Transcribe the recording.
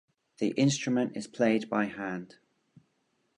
The instrument is played by hand.